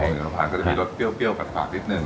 ก็จะมีรสเปรี้ยวปัดปากนิดนึง